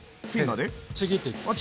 ちぎっていきます。